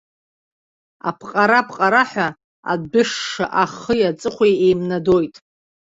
Апҟара-пҟараҳәа адәышша ахи аҵыхәеи еимнадоит.